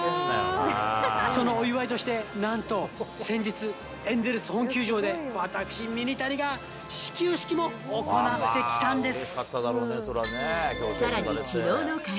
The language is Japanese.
そのお祝いとして、なんと、先日、エンゼルス本球場で私ミニタニが始球式も行ってきたんです。